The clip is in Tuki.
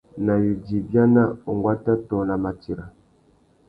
Nà yudza ibiana, unguata tô nà matira.